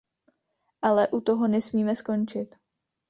Ale u toho nesmíme skončit.